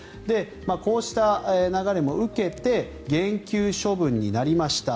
こうした流れも受けて減給処分になりました。